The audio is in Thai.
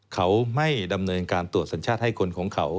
เขาไม่ดำเนินการตรวจสัญชาติให้คนของเขา